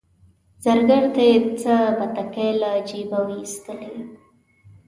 زرګر ته یې څه بتکۍ له جیبه وایستلې.